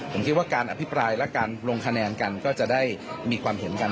ผมคิดว่าการอภิปรายและการลงคะแนนกันก็จะได้มีความเห็นกัน